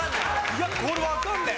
いやこれわかんねえ！